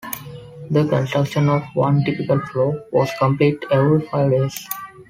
The construction of one typical floor was completed every five days.